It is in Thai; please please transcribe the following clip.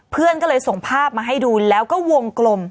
เพื่อนก็เลยส่งภาพมาให้ดูแล้วก็วงกลม